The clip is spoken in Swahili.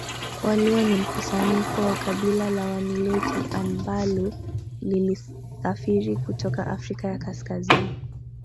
Waluo ni mkusanyiko wa kabila la Waniloti ambalo lilisafiri kutoka Afrika ya Kaskazini